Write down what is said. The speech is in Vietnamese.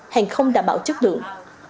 hàng không đảm bảo chất lượng